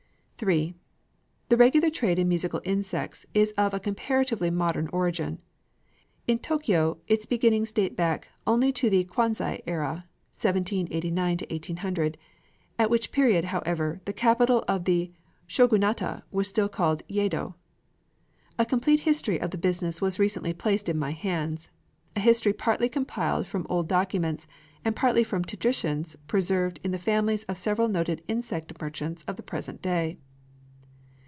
III The regular trade in musical insects is of comparatively modern origin. In Tōkyō its beginnings date back only to the Kwansei era (1789 1800), at which period, however, the capital of the Shōgunate was still called Yedo. A complete history of the business was recently placed in my hands, a history partly compiled from old documents, and partly from traditions preserved in the families of several noted insect merchants of the present day.